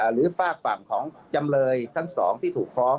หรือฝากฝั่งของจำเลยทั้งสองที่ถูกฟ้อง